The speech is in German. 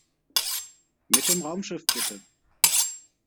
Mit dem Raumschiff, bitte!